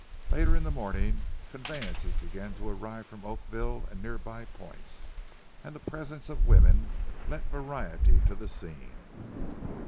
Later in the morning, conveyances began to arrive from Oakville and near by points, and the presence of women lent variety to the scene.